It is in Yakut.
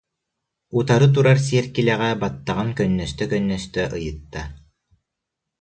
утары турар сиэркилэҕэ баттаҕын көннөстө-көннөстө ыйытта